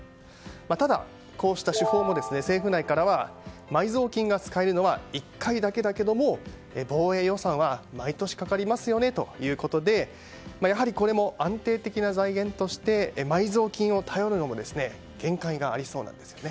ただこうした手法も政府内からは埋蔵金が使えるのは１回だけだけども防衛予算は毎年かかりますよねということでやはりこれも安定的な財源として埋蔵金に頼るのも限界がありそうなんですね。